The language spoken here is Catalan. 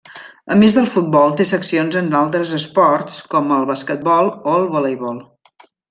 A més del futbol té seccions en altres esports com el basquetbol o el voleibol.